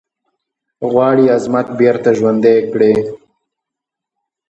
غواړي عظمت بیرته ژوندی کړی.